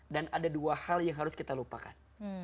dan ada dua hal yang harus kita lupakan